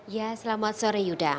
ya selamat sore yuda